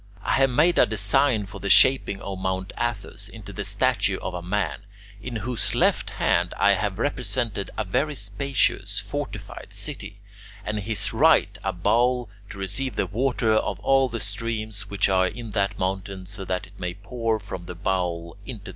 I have made a design for the shaping of Mount Athos into the statue of a man, in whose left hand I have represented a very spacious fortified city, and in his right a bowl to receive the water of all the streams which are in that mountain, so that it may pour from the bowl into the sea."